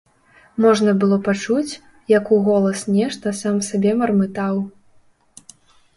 Можна было пачуць, як уголас нешта сам сабе мармытаў.